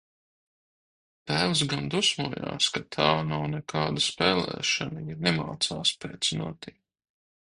Tēvs gan dusmojās, ka tā nav nekāda spēlēšana, ja nemācās pēc notīm.